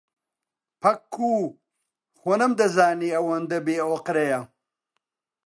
پەکوو، خۆ نەمدەزانی ئەوەندە بێئۆقرەیە.